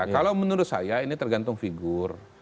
kalau menurut saya ini tergantung figur